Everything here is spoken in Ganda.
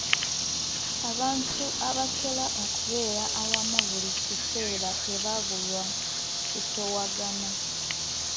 Abantu abatera okubeera awamu buli kiseera tebabulwa kusoowagana.